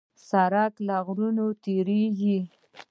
سړک له غرونو تېرېږي.